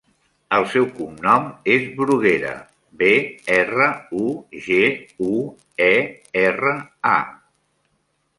El seu cognom és Bruguera: be, erra, u, ge, u, e, erra, a.